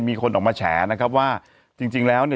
มีคนออกมาแฉนะครับว่าจริงจริงแล้วเนี่ย